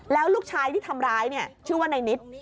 แล้วลูกชายที่ทำร้ายเนี่ยชื่อว่านายนิด